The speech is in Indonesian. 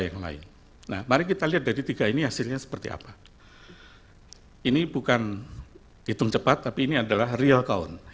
yang lain nah mari kita lihat dari tiga ini hasilnya seperti apa ini bukan hitung cepat tapi ini adalah real count